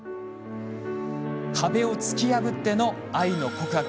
壁を突き破っての愛の告白。